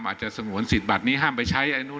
อาจจะสงวนสิทธิ์บัตรนี้ห้ามไปใช้